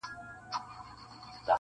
• زموږ په سیوري کي جامونه کړنګېدلای -